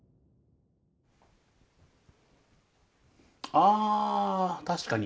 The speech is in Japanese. あ確かに。